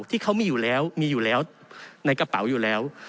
ที่เขามีอยู่แล้วมีอยู่แล้วในกระเป๋าอยู่แล้ว